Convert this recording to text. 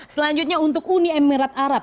selanjutnya untuk uni emirat arab